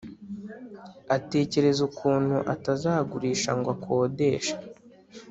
atekereza ukuntu atazagurisha ngo akodeshe